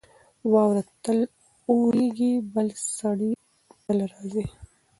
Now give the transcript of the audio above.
واوره تل اورېږي. بل سړی تل راځي.